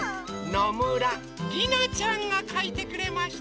のむらりなちゃんがかいてくれました。